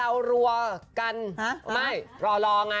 เอารัวกันไม่รอรอไง